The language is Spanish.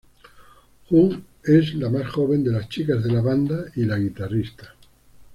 Jun es la más joven de las chicas de la banda, y la guitarrista.